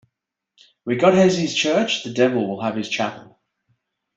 Where God has his church, the devil will have his chapel.